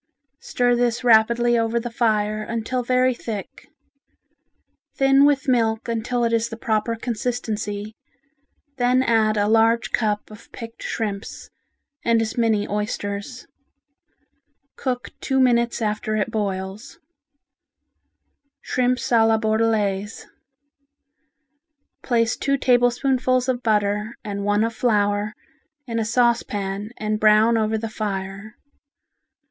Stir this rapidly over the fire until very thick. Thin with milk until it is the proper consistency, then add a large cup of picked shrimps, and as many oysters. Cook two minutes after it boils. Shrimps a la Bordelaise Place two tablespoonfuls of butter and one of flour in a saucepan and brown over the fire.